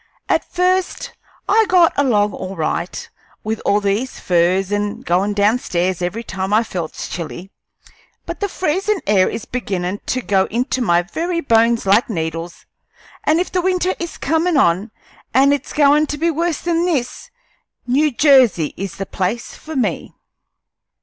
"At first I got along all right, with all these furs, and goin' down stairs every time I felt chilly, but the freezin' air is beginnin' to go into my very bones like needles; and if winter is comin' on, and it's goin' to be worse than this, New Jersey is the place for me.